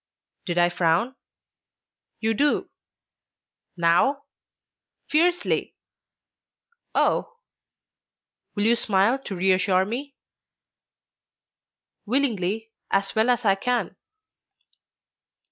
"Did I frown?" "You do." "Now?" "Fiercely." "Oh!" "Will you smile to reassure me?" "Willingly, as well as I can."